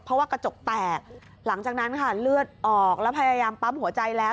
เพราะว่ากระจกแตกหลังจากนั้นค่ะเลือดออกแล้วพยายามปั๊มหัวใจแล้ว